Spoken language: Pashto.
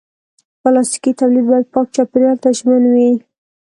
پلاستيکي تولید باید پاک چاپېریال ته ژمن وي.